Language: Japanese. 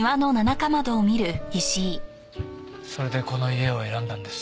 それでこの家を選んだんです。